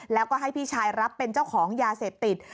แล้วก็ให้พี่ชายรับเป็นเจ้าของยาเสพติด